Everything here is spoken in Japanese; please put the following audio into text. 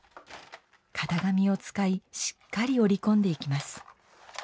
型紙を使いしっかり折り込んでいきます。